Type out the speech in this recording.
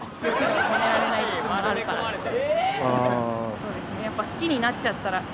そうですねやっぱ。